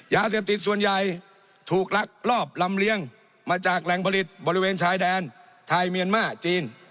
ยาเสพติดส่วนใหญ่ถูกลักลอบลำเลียงมาจากแหล่งผลิตบริเวณชายแดนไทยเมียนมาร์จีน